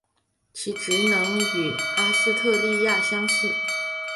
其职能与阿斯特莉亚相似。